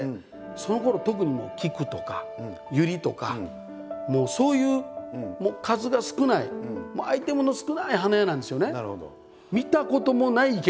そのころ特にもう菊とか百合とかそういう数が少ないアイテムの少ない花屋なんですよね。